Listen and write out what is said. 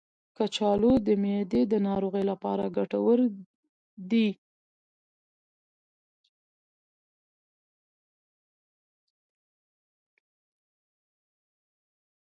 کچالو د معدې د ناروغیو لپاره ګټور دی.